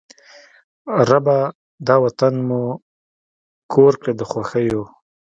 ربه! دا وطن مو کور کړې د خوښیو